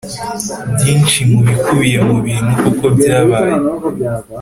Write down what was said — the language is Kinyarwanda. byinshi bikubiye mu bintu koko byabaye